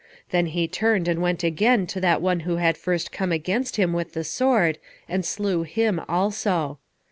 Then he turned and went again to that one who had first come against him with the sword, and slew him also.